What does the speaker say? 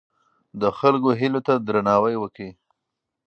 د خلکو هیلو ته درناوی وکړئ.